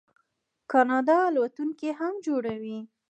کاناډا الوتکې هم جوړوي.